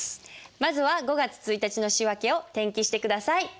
まずは５月１日の仕訳を転記して下さい。